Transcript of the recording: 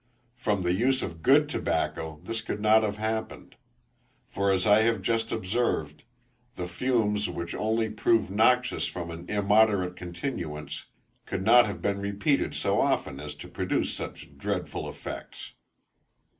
From the use of good tobacco this could not have happened; for, as I have just observed, the fumes which only prove noxious from an immoderate continuance, could not have been repeated so often as to produce such dreadful effects.